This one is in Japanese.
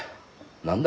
何だ？